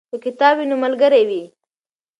که کتاب وي نو ملګری وي.